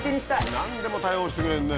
何でも対応してくれるね。